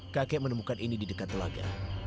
kakek menemukan ini di dekat telaga